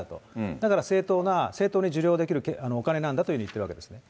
だから正当な、正当に受領できるお金なんだというふうに言ってるわけですね。